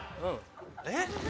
えっ？